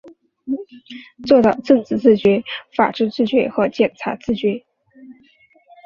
做到政治自觉、法治自觉和检察自觉